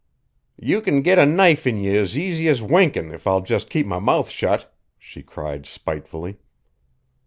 "You can git a knife in ye as easy as winking if I'll jest keep my mouth shut," she cried spitefully.